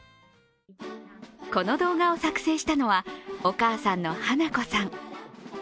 この動画を作成したのは、お母さんのはなこさん。